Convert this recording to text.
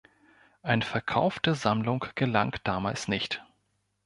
Ein Verkauf der Sammlung gelang damals nicht.